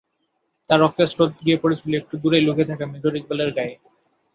তাঁর রক্তের স্রোত গিয়ে পড়ছিল একটু দূরেই লুকিয়ে থাকা মেজর ইকবালের গায়ে।